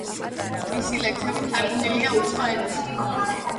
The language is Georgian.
მისი ლექსები თარგმნილია უცხო ენებზე.